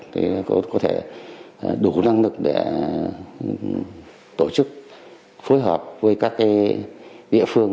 để có thể đủ năng lực để tổ chức phối hợp với các địa phương